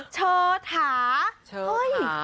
เชอธา